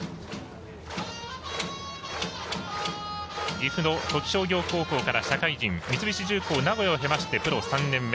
岐阜の土岐商業高校から社会人三菱重工を経てプロ３年目。